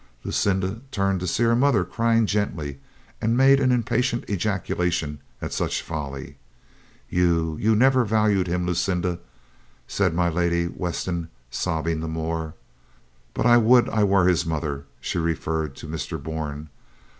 Lucinda turned to see her mother crying gently, and made an impatient ejaculation at such folly. "Yon — ^you never valued him, Lucinda," said my Lady Weston, sobbing the more. "But — ^but I would I were his mother." She referred to Mr. Bourne.